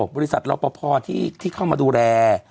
บริษัทรอปภที่เข้ามาดูแล